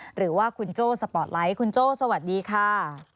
หรือว่าคุณโจ้สปอร์ตไลท์คุณโจ้สวัสดีค่ะ